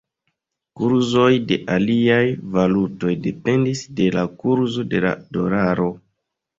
Kurzoj de aliaj valutoj dependis de la kurzo de la dolaro.